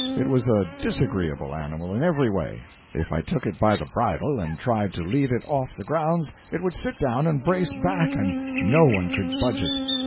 It was a disagreeable animal, in every way. If I took it by the bridle and tried to lead it off the grounds, it would sit down and brace back, and no one could budge it.